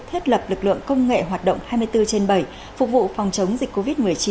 thiết lập lực lượng công nghệ hoạt động hai mươi bốn trên bảy phục vụ phòng chống dịch covid một mươi chín